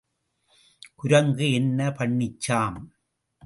குரங்கு என்ன பண்ணிச்சாம்?